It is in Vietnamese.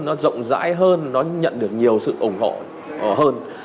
nó rộng rãi hơn nó nhận được nhiều sự ủng hộ hơn